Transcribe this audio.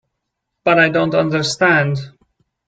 But I don't understand.